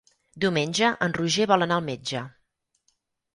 Diumenge en Roger vol anar al metge.